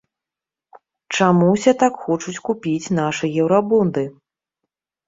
Чаму ўсе так хочуць купіць нашы еўрабонды?